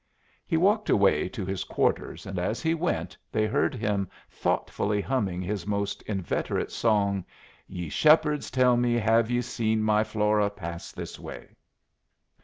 He walked away to his quarters, and as he went they heard him thoughtfully humming his most inveterate song, "Ye shepherds tell me have you seen my Flora pass this way."